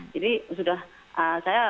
jadi sudah saya